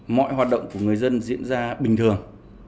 mọi hoạt động của người dân diễn ra bình thường